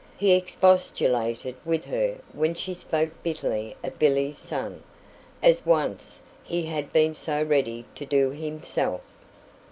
He expostulated with her when she spoke bitterly of Billy's son, as once he had been so ready to do himself.